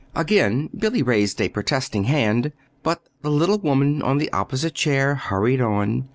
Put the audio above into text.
Again Billy raised a protesting hand; but the little woman in the opposite chair hurried on.